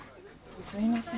すいません。